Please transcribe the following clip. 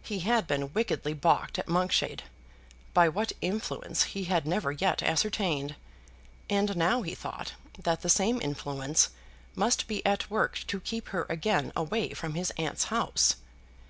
He had been wickedly baulked at Monkshade, by what influence he had never yet ascertained; and now he thought that the same influence must be at work to keep her again away from his aunt's house.